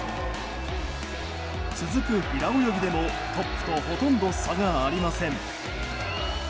続く平泳ぎでもトップとほとんど差がありません。